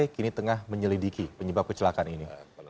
kini tengah menyelidiki penyebab kecelakaan ini